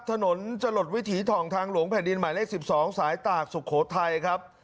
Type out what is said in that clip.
ถนนจรดวิถีถ่องทางหลวงแผ่นดินหมายเลข๑๒สายตากสุโขทัยครับ